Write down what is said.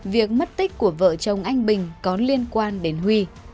việc mất tích của vợ chồng anh bình có liên quan đến huy